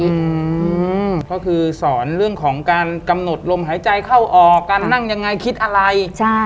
อืมก็คือสอนเรื่องของการกำหนดลมหายใจเข้าออกการนั่งยังไงคิดอะไรใช่